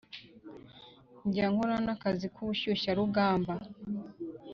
njya nkora n’akazi k’ubushyushyarugamba